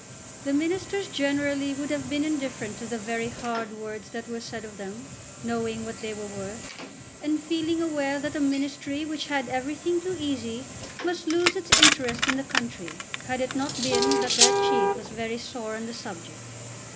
The ministers generally would have been indifferent to the very hard words that were said of them, knowing what they were worth, and feeling aware that a ministry which had everything too easy must lose its interest in the country, had it not been that their chief was very sore on the subject.